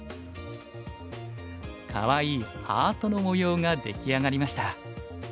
かわいいハートの模様が出来上がりました。